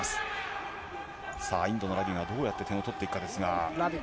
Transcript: さあ、インドのラビがどうやって点を取っていくかということですが。